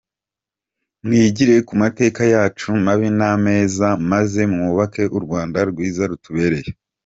Mwigire ku mateka yacu mabi n’ameza maze mwubake u Rwanda rwiza rutubereye.